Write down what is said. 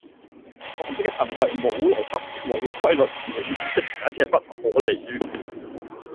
患者嘅行為無邏輯、無規律、無意識，簡直係不可理喻